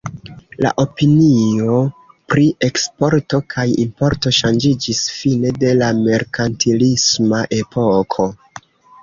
La opinio pri eksporto kaj importo ŝanĝiĝis fine de la merkantilisma epoko.